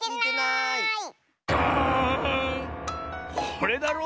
これだろ。